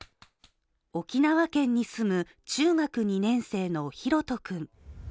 沖縄県に住む、中学２年生のひろと君。